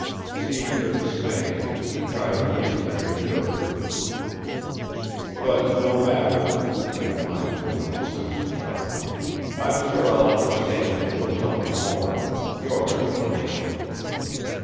Seeing her dismay, he tried again to reassure her. "But no matter!" he minimized his own sense of shock. "I'm sure I'll understand if you'll tell me more your explanation."